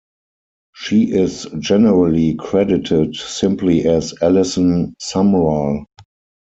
She is generally credited simply as Allison Sumrall.